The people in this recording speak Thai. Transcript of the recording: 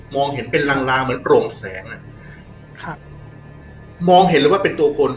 เห็นเป็นลางลางเหมือนโปร่งแสงอ่ะครับมองเห็นเลยว่าเป็นตัวคน